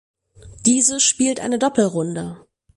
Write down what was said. Diese spielt eine Doppelrunde.